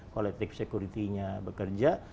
kolektif sekuritinya bekerja